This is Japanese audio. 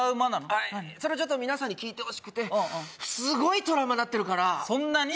はいそれをちょっと皆さんに聞いてほしくてすごいトラウマになってるからそんなに？